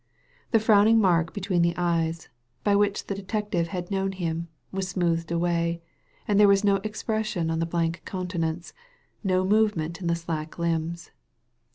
The frowning mark between the eyes, by which the detective had known him, was smoothed away, and there was no ex pression on the blank countenance, no movement in the slack limbs.